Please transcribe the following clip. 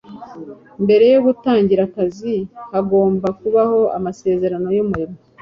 mbere yo gutangira akazi, hagomba kubaho amasezerano y'umurimo